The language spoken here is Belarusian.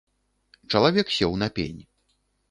Чалавек сеў на пень.